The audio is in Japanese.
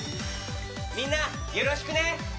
みんなよろしくね！